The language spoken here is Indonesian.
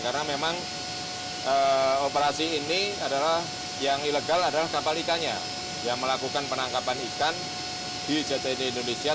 karena memang operasi ini yang ilegal adalah kapal ikannya yang melakukan penangkapan ikan di jtd indonesia